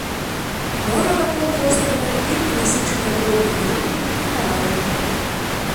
Мора вакол вострава вельмі насычана дробнымі рыбамі і караламі.